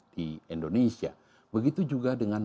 di indonesia begitu juga dengan